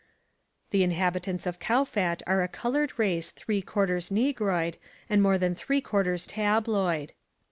The inhabitants of Kowfat are a coloured race three quarters negroid and more than three quarters tabloid.